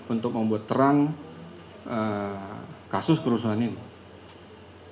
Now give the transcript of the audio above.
untuk membuat terang kasus kerusuhan ini